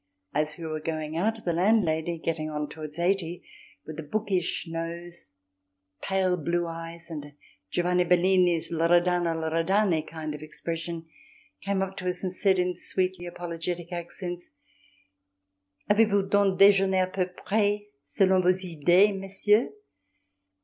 As we were going out, the landlady, getting on towards eighty, with a bookish nose, pale blue eyes and a Giovanni Bellini's Loredano Loredani kind of expression, came up to us and said, in sweetly apologetic accents:— "Avez vous donc déjeuné à peu près selon vos idées, Messieurs?"